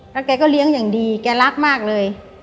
แล้วแกก็เลี้ยงอย่างดีแกรักมากเลย